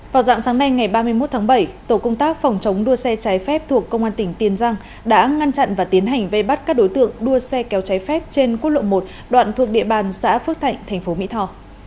trước đó vào chiều ngày ba mươi một tháng bảy tổ công tác phòng chống đua xe trái phép thuộc công an tỉnh tiên giang đã ngăn chặn và tiến hành vây bắt các đối tượng đua xe kéo trái phép trên quốc lộ một đoạn thuộc địa bàn xã phước thạnh tp mỹ thò